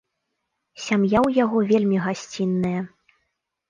Сям'я ў яго вельмі гасцінная.